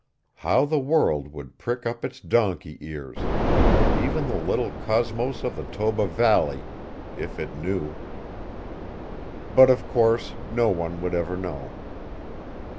How the world would prick up its donkey ears even the little cosmos of the Toba valley if it knew. But of course no one would ever know.